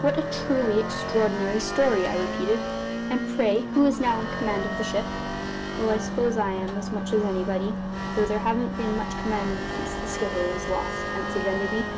"What a truly extraordinary story!" I repeated. "And, pray, who is now in command of the ship?" "Well, I s'pose I am, as much as anybody though there haven't been much `commandin'' since the skipper was lost," answered Enderby.